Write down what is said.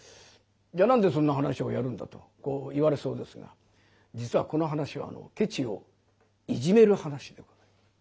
じゃあ何でそんな噺をやるんだとこう言われそうですが実はこの噺はケチをいじめる噺でございます。